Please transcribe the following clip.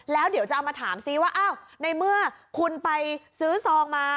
แล้วเดี๋ยวจะเอามาถามซิว่าอ้าวในเมื่อคุณไปซื้อซองมา